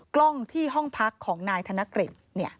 กล้องที่ห้องพักของนายธนกฤษ